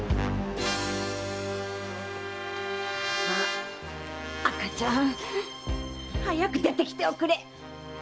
さあ赤ちゃん早く出てきておくれ。